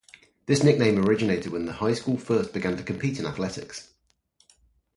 This nickname originated when the high school first began to compete in athletics.